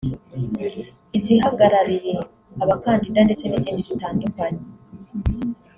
izihagarariye abakandida ndetse n’izindi zitandukanye